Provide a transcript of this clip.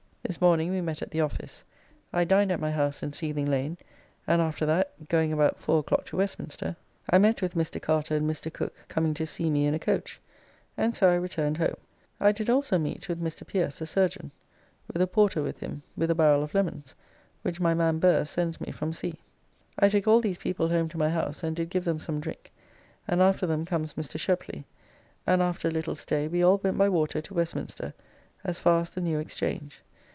This morning we met at the office: I dined at my house in Seething Lane, and after that, going about 4 o'clock to Westminster, I met with Mr. Carter and Mr. Cooke coming to see me in a coach, and so I returned home. I did also meet with Mr. Pierce, the surgeon, with a porter with him, with a barrel of Lemons, which my man Burr sends me from sea. I took all these people home to my house and did give them some drink, and after them comes Mr. Sheply, and after a little stay we all went by water to Westminster as far as the New Exchange.